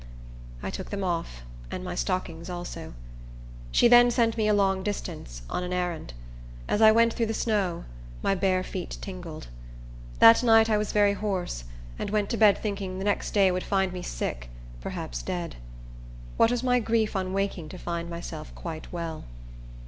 I took them off, and my stockings also. She then sent me a long distance, on an errand. As I went through the snow, my bare feet tingled. That night I was very hoarse; and I went to bed thinking the next day would find me sick, perhaps dead. What was my grief on waking to find myself quite well!